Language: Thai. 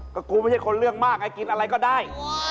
ก็กูไม่ใช่คนเรื่องมากไอ้กินอะไรก็ได้